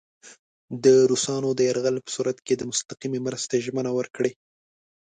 د روسانو د یرغل په صورت کې د مستقیمې مرستې ژمنه ورکړي.